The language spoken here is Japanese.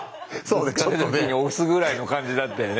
ぶつかった時に押すぐらいの感じだったよね。